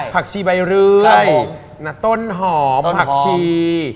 ชีใบเรื่อยต้นหอมผักชี